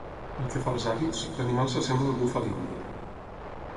Pel que fa als hàbits, l'animal s'assembla al búfal indi.